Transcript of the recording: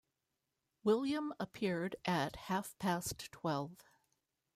William appeared at half-past twelve.